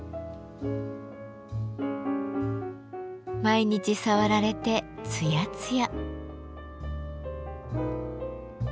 毎日触られてつやつや。